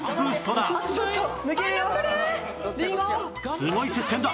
すごい接戦だ！